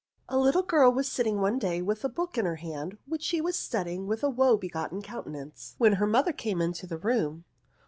A. LITTLE girl was sitting one day with a book in her hand which she was studying with a woe begone countenance, when her mother came into the room.